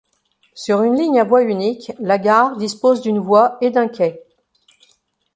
Sur une ligne à voie unique, la gare dispose d'une voie et d'un quai.